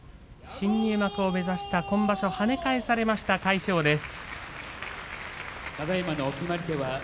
新入幕を目指した今場所はね返されました魁勝です。